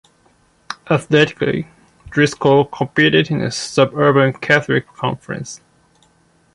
Athletically, Driscoll competed in the Suburban Catholic Conference.